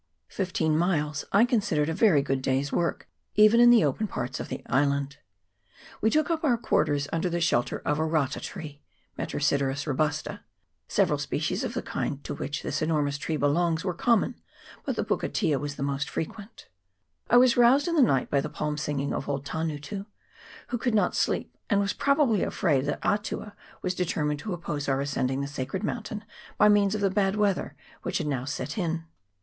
Fifteen miles I considered a very good day's work, even in the open parts of the island. We took up our quarters under the shelter of a rata tree. 2 Seve ral species of the kind to which this enormous tree belongs were common ; but the pukatea was the most frequent. I was roused in the night by the psalm singing of old Tangutu, who could not sleep, and was probably afraid that Atua was de 1 Ptilotis cincta, Dub. 2 Metrosideros robusta. L2 148 WAIWAKAIO RIVER. [PART I. termined to oppose our ascending the sacred moun tain by means of the bad weather which had now set in.